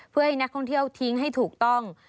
เพื่อให้นักท่องเที่ยวทิ้งให้ถูกต้อง